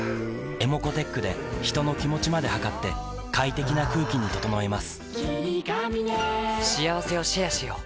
ｅｍｏｃｏーｔｅｃｈで人の気持ちまで測って快適な空気に整えます